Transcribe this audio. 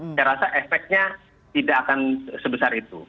saya rasa efeknya tidak akan sebesar itu